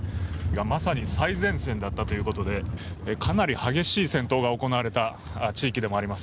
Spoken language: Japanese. まさに最前線だったということで、かなり激しい戦闘が行われた地域でもあります。